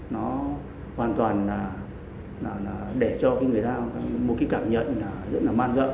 nó hoàn toàn là để cho người ta một cái cảm nhận là rất là man dợ